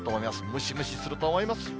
ムシムシすると思います。